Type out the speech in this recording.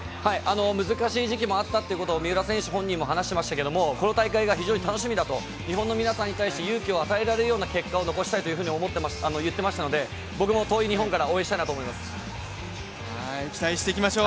難しい時期もあったということを三浦選手本人も話していましたけど、この大会が非常に楽しみだと日本の皆さんに対して勇気を与えられるようになりたいと言っていましたので僕も遠い日本から応援したいなと思います。